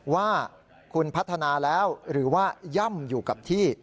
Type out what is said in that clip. ว่าคุณพัฒนาแล้วหรือว่าย่ำอยู่กับที่